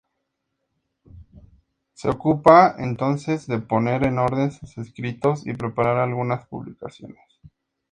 Se ocupa entonces de poner en orden sus escritos y preparar algunas publicaciones.